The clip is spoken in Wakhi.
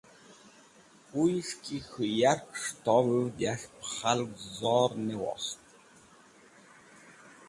Kuyes̃h ki k̃hũ yarkẽ s̃hetovũvd yas̃h pẽ khalg zor ne wost.